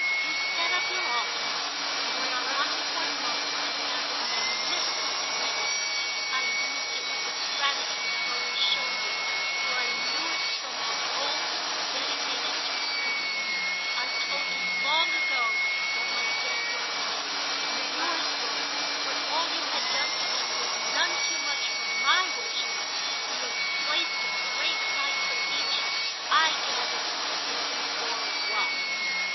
"You set up your altar, and when I wanted one most I found it magnificently ready. I used it with the gratitude I've always shown you, for I knew it from of old to be dedicated to Death. I told you long ago that my Dead weren't many. Yours were, but all you had done for them was none too much for my worship! You had placed a great light for Each—I gathered them together for One!"